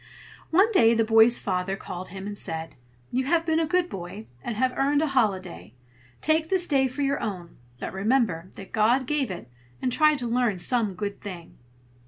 One day the boy's father called him and said: "You have been a good boy, and have earned a holiday. Take this day for your own; but remember that God gave it, and try to learn some good thing."